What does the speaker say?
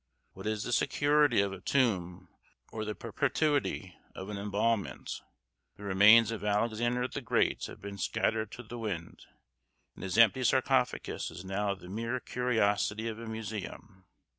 What is the security of a tomb or the perpetuity of an embalmment? The remains of Alexander the Great have been scattered to the wind, and his empty sarcophagus is now the mere curiosity of a museum.